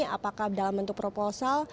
apakah dalam bentuk proposal